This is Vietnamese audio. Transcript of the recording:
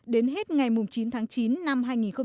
đến hết ngày chín tháng chín năm hai nghìn một mươi sáu